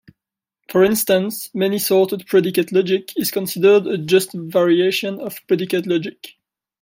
For instance many-sorted predicate logic is considered a just variation of predicate logic.